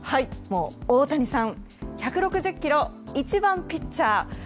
大谷さん、１６０キロ１番、ピッチャー。